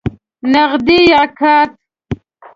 نغدی یا کارت؟